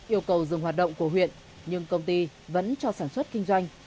yêu cầu dừng hoạt động của huyện nhưng công ty vẫn cho sản xuất kinh doanh